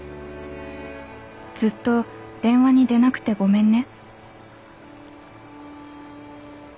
ずっと電話に出なくてごめんね」